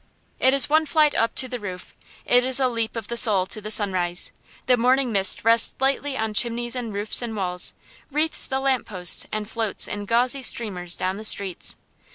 It is one flight up to the roof; it is a leap of the soul to the sunrise. The morning mist rests lightly on chimneys and roofs and walls, wreathes the lamp posts, and floats in gauzy streamers down the streets.